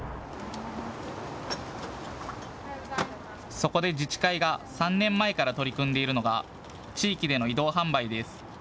そこで自治会が３年前から取り組んでいるのが地域での移動販売です。